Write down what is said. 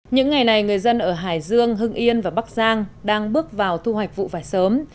những ngày này người dân ở hải dương hưng yên và bắc giang đang bước vào thu hoạch vụ vải sớm